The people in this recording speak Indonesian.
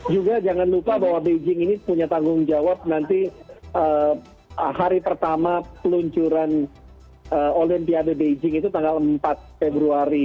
juga jangan lupa bahwa beijing ini punya tanggung jawab nanti hari pertama peluncuran olimpiade beijing itu tanggal empat februari